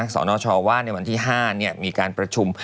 สนชว่าในวันที่๕มีการประชุม